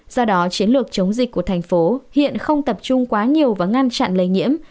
do đó chiến lược chống dịch của thành phố hiện không tập trung quá nhiều vào ngăn chặn lây nhiễm